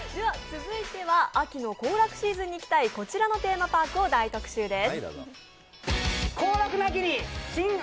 続いては秋の行楽シーズンに行きたいこちらのテーマパークを大特集です。